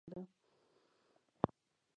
لوبه د ویکټونو، رنونو او اورونو پر بنسټ روانه ده.